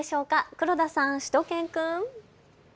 黒田さん、しゅと犬くん。